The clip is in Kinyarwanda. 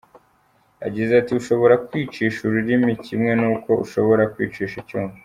Yagize ati “Ushobora kwicisha ururimi, kimwe nuko ushobora kwicisha icyuma.